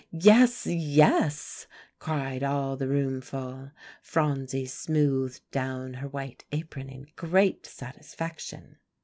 "Yes, yes!" cried all the roomful. Phronsie smoothed down her white apron in great satisfaction.